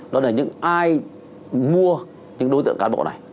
đó là những ai mua những đối tượng cán bộ này